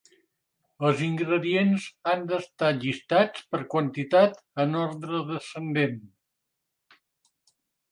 Els ingredients han d'estar llistats per quantitat en ordre descendent.